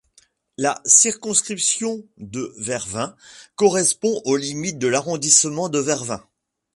La circonscription de Vervins correspond aux limites de l'arrondissement de Vervins.